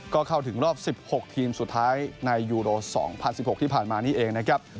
ก็เข้าถึงรอบ๑๖ทีมสุดท้ายในยูโร๒๐๑๖ที่ผ่านมานี่เองนะครับ